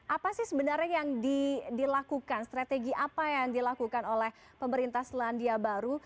apa sih sebenarnya yang dilakukan strategi apa yang dilakukan oleh pemerintah selandia baru